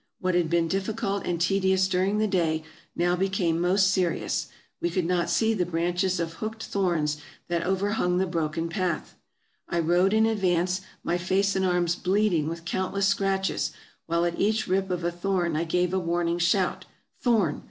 What had been difficult and tedious during the day, now became most seri ous— we could not see the branches of hooked thorns that overhung the broken path ; I rode in advance, my face and arms bleeding with countless scratches, while at each rip of a thorn I gave a warning shout —" Thorn!"